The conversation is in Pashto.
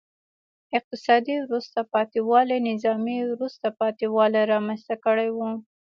اقتصادي وروسته پاتې والي نظامي وروسته پاتې والی رامنځته کړی و.